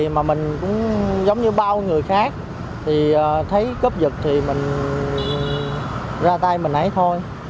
mà mình cũng giống như bao người khác thì thấy cướp giật thì mình ra tay mình ấy thôi